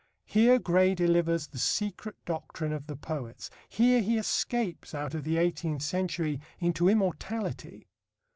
Here Gray delivers the secret doctrine of the poets. Here he escapes out of the eighteenth century into immortality.